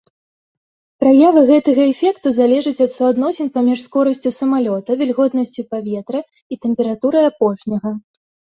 Праява гэтага эфекту залежыць ад суадносін паміж скорасцю самалёта, вільготнасцю паветра і тэмпературай апошняга.